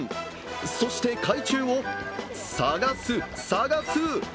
そして海中を探す、探す。